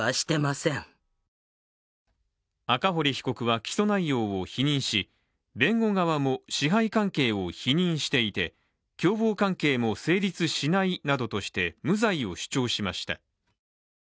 赤堀被告は起訴内容を否認し弁護側も支配関係を否認していて共謀関係も成立しないなどとして無罪を主張しました。